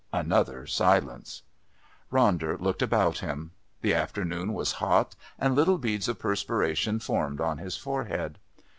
Another silence. Ronder looked about him; the afternoon was hot, and little beads of perspiration formed on his forehead.